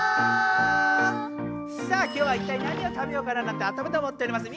さあ今日はいったい何を食べようかななんて頭で思っております